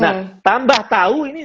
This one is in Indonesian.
nah tambah tahu ini